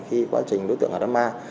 khi quá trình đối tượng ở đám ma